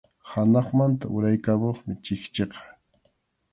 Hanaqmanta uraykamuqmi chikchiqa.